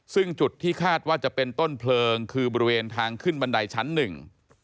ซึ่งจุดที่คาดว่าจะเป็นต้นเพลิงคือบริเวณทางขึ้นบันไดชั้นหนึ่ง